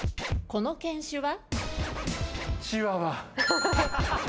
この犬種は？